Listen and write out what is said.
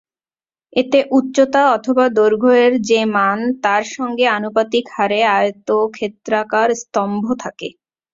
এতে উচ্চতা অথবা দৈর্ঘ্য-এর যে মান তার সঙ্গে আনুপাতিক হারে আয়তক্ষেত্রাকার স্তম্ভ থাকে।